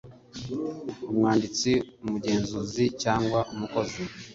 umwanditsi umugenzuzi cyangwa umukozi